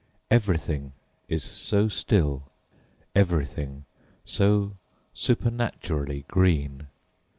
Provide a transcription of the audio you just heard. Everything is so still, everything so supernaturally green.